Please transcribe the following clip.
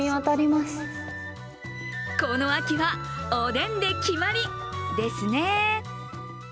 この秋はおでんで決まりですね。